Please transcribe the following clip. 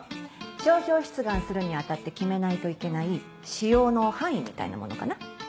商標出願するに当たって決めないといけない使用の範囲みたいなものかな。